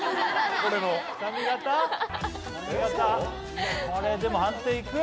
これでも判定いく？